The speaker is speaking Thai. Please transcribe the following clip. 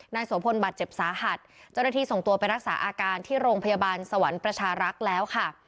โสพลบาดเจ็บสาหัสเจ้าหน้าที่ส่งตัวไปรักษาอาการที่โรงพยาบาลสวรรค์ประชารักษ์แล้วค่ะ